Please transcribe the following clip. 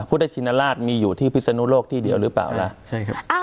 พุทธชินราชมีอยู่ที่พิศนุโลกที่เดียวหรือเปล่าล่ะใช่ครับ